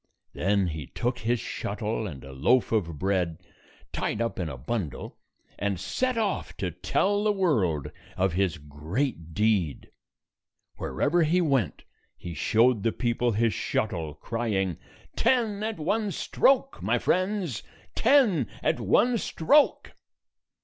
Then he took his shuttle and a loaf of bread tied up in a bundle, and set off to tell the world of his great deed. Wherever he went, he showed the people his shuttle, crying, "Ten at one stroke, my friends! Ten at one stroke!"